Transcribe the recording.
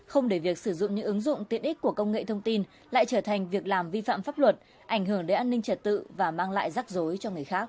không để việc sử dụng những ứng dụng tiện ích của công nghệ thông tin lại trở thành việc làm vi phạm pháp luật ảnh hưởng đến an ninh trật tự và mang lại rắc rối cho người khác